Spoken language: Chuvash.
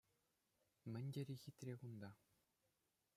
Мӗн тери хитре кунта!